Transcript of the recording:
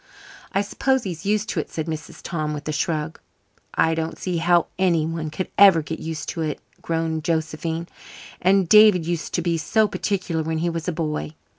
"I suppose he's used to it," said Mrs. Tom with a shrug. "I don't see how anyone could ever get used to it," groaned Josephine. "And David used to be so particular when he was a boy.